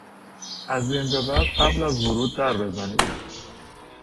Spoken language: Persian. از این به بعد قبل از ورود در بزنید!